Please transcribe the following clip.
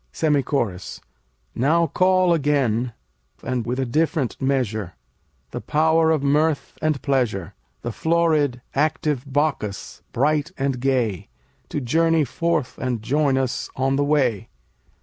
SEMI CHORUS Now call again, and with a different measure, The power of mirth and pleasure; The florid, active Bacchus, bright and gay, To journey forth and join us on the way.